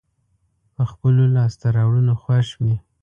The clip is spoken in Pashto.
په خپلو لاسته راوړنو خوښ وي.